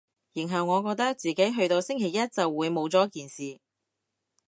然後我覺得自己去到星期一就會冇咗件事